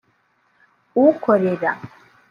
ukorera